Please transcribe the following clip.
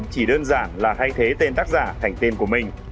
chỉ đơn giản là thay thế tên tác giả thành tên của mình